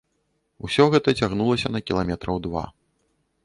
Усё гэта цягнулася на кіламетраў два.